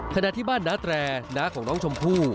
ขณะที่บ้านน้าแตรน้าของน้องชมพู่